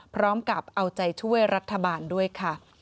พร้อมกับเอาใจช่วยรัฐบาลด้วยค่ะ